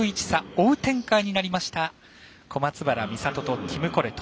追う展開になりました小松原美里とティム・コレト。